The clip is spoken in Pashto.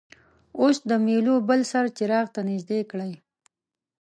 اوس د میلو بل سر څراغ ته نژدې کړئ.